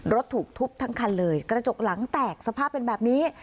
ถูกทุบทั้งคันเลยกระจกหลังแตกสภาพเป็นแบบนี้